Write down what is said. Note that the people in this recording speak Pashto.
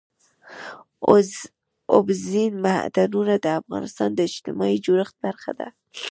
اوبزین معدنونه د افغانستان د اجتماعي جوړښت برخه ده.